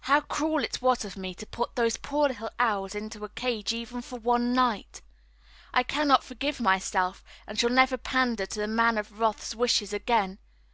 How cruel it was of me to put those poor little owls into a cage even for one night! I cannot forgive myself, and shall never pander to the Man of Wrath's wishes again.